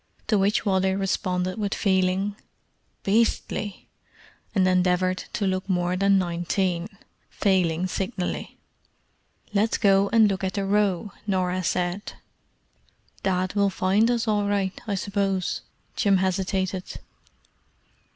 To which Wally responded with feeling, "Beastly!" and endeavoured to look more than nineteen—failing signally. "Let's go and look at the Row," Norah said. "Dad will find us all right, I suppose?" Jim hesitated.